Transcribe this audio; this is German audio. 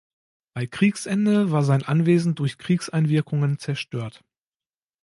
Bei Kriegsende war sein Anwesen durch Kriegseinwirkungen zerstört.